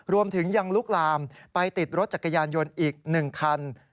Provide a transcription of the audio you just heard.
รวมถึงยังลุกลามไปติดรถจักรยานยนต์อีก๑คัน